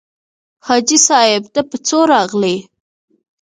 حاجي صاحب ته په څو راغلې.